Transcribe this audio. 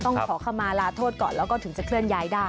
ขอเข้ามาลาโทษก่อนแล้วก็ถึงจะเคลื่อนย้ายได้